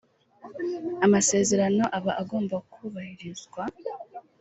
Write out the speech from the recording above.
amasezerano aba agomba kubahirizwa